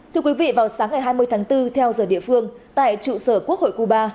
thưa quý vị vào sáng ngày hai mươi tháng bốn theo giờ địa phương tại trụ sở quốc hội cuba